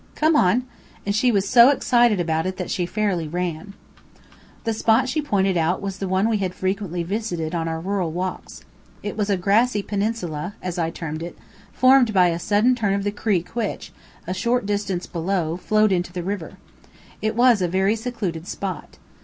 Come on!" And she was so excited about it that she fairly ran. The spot she pointed out was one we had frequently visited in our rural walks. It was a grassy peninsula, as I termed it, formed by a sudden turn of a creek which, a short distance below, flowed into the river. It was a very secluded spot.